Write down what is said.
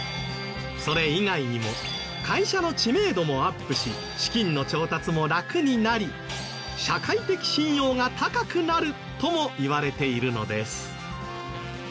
それ以外にも会社の知名度もアップし資金の調達も楽になり社会的信用が高くなるともいわれているのです。